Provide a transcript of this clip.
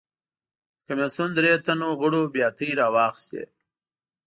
د کمېسیون درې تنو غړو بیاتۍ راواخیستې.